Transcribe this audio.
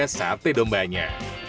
ini juga sate dombanya